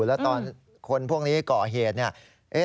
แล้วตอนคนพวกนี้ก่อเหตุเนี่ย